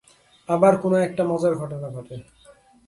আবার কোনো- একটা মজার ঘটনা ঘটে।